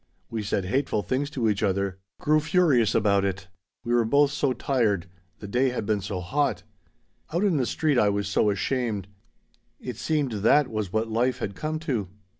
We said hateful things to each other, grew furious about it. We were both so tired the day had been so hot "Out on the street I was so ashamed. It seemed that was what life had come to.